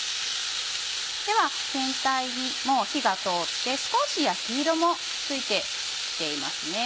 では全体にもう火が通って少し焼き色もついてきていますね。